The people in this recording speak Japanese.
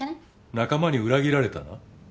仲間に裏切られたな。